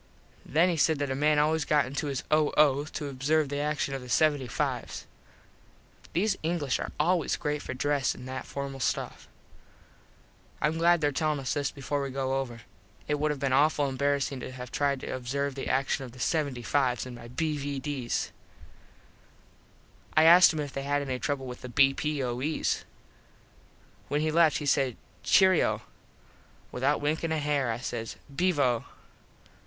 Then he said that a man always got into his O.O. to observe the action of the 75s. These English are always great for dress an that formal stuff. Im glad there tellin us this before we go over. It would have been awful embarassing to have tried to observe the action of the 75s in my B.V.Ds. I asked him if they had any trouble with the B.P.O.Es. When he left he said "Cheero." Without winkin a hair I says "Beevo."